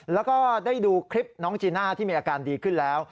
แล้วก็ได้ดูคลิปน้องจีน่าที่มีอาการดีขึ้นแล้ว